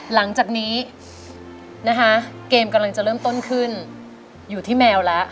หลังจากนี้นะคะเกมกำลังจะเริ่มต้นขึ้นอยู่ที่แมวแล้ว